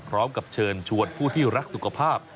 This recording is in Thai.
พร้อมกับเชิญชวนผู้ที่รักสุขภาพ